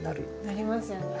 なりますよね。